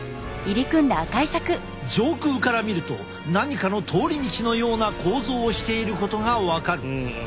上空から見ると何かの通り道のような構造をしていることが分かる。